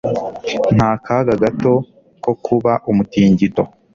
Nta kaga gato ko kuba umutingito.